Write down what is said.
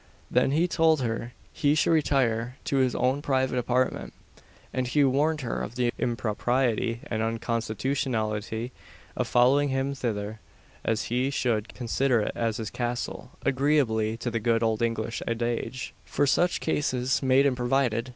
Then he told her he should retire to his own private apartment: and he warned her of the impropriety and unconstitutionality of following him thither, as he should consider it as his "castle," agreeably to the good old English adage, for such cases made and provided.